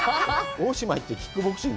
大島に行ってキックボクシング！？